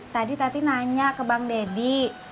tadi tadi nanya ke bang deddy